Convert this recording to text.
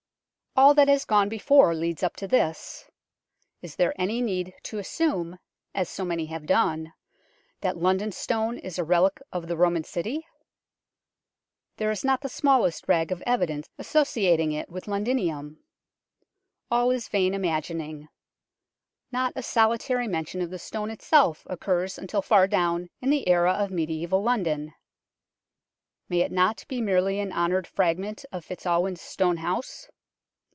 All that has gone before leads up to this. Is there any need to assume, as so many have done, that London Stone is a relic of the Roman city ? There is not the smallest rag of evidence associat ing it with Londinium. All is vain imagining. Not a solitary mention of the Stone itself occurs until far down in the era of mediaeval London. May it not be merely an honoured fragment of FitzAl win's stone house